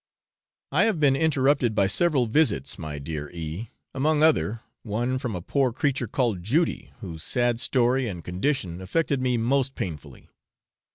I have been interrupted by several visits, my dear E , among other, one from a poor creature called Judy, whose sad story and condition affected me most painfully.